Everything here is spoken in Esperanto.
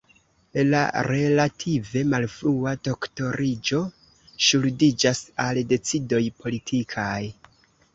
La relative malfrua doktoriĝo ŝuldiĝas al decidoj politikaj.